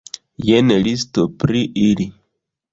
Jen listo pri ili.